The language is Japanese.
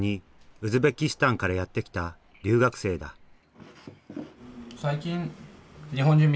ウズベキスタンからやって来た留学生だラジズ？